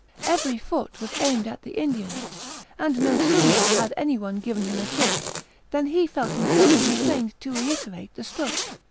Every foot was aimed at the Indian, and no sooner had any one given him a kick than he felt himself constrained to reiterate the stroke.